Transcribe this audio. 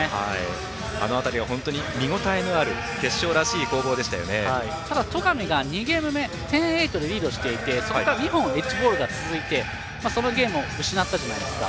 あの辺りは本当に見応えのある決勝らしいただ、戸上が２ゲーム目１０−８でリードしていてそこから２本エッジボールが続いてそのゲームを失ったじゃないですか。